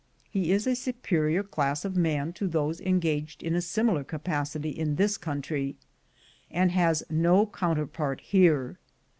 He is a superior class of man to those en gaged in a similar capacity in this country, and has no counterpart here.